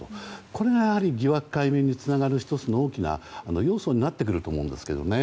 これは疑惑解明につながる１つの大きな要素になってくると思うんですけどね。